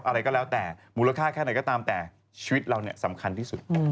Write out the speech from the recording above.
อะไรก็แล้วแต่มูลค่าแค่ไหนก็ตามแต่ชีวิตเราสำคัญที่สุด